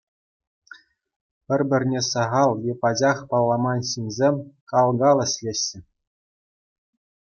Пӗр-пӗрне сахал е пачах палламан ҫынсем кал-кал ӗҫлеҫҫӗ.